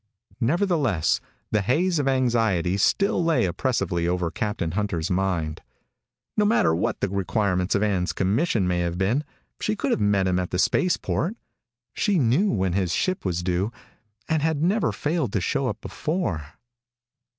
Nevertheless the haze of anxiety still lay oppressively over Captain Hunter's mind. No matter what the requirements of Ann's commission may have been, she could have met him at the spaceport. She knew when his ship was due, and had never failed to show up before.